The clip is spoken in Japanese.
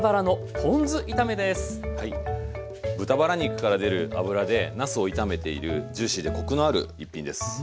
豚バラ肉から出る脂でなすを炒めているジューシーでコクのある一品です。